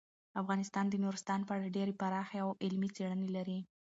افغانستان د نورستان په اړه ډیرې پراخې او علمي څېړنې لري.